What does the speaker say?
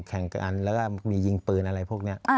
แข่งกันแล้วก็มียิงปืนอะไรพวกนี้